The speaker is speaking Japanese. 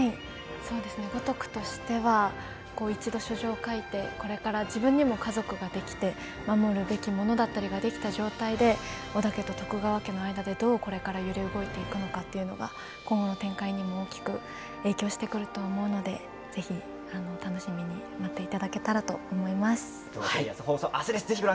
五徳としては一度、書状を書いてこれから自分にも家族ができて守るべきものができた状態で織田家と徳川家の間でどう揺れ動いていくのか今後の展開にも影響していくと思うので楽しみにしていただけたらと思います。